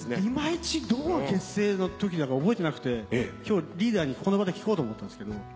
いまいちどこが結成のときだか覚えてなくて今日リーダーにこの場で聞こうと思ったんですけど。